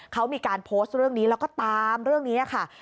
เขามีการโพสต์เรื่องนี้แล้วก็ตามเรื่องนี้ค่ะ